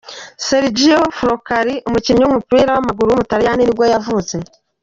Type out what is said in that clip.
Sergio Floccari, umukinnyi w’umupira w’amaguru w’umutaliyani nibwo yavutse.